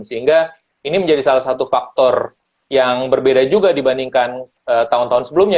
sehingga ini menjadi salah satu faktor yang berbeda juga dibandingkan tahun tahun sebelumnya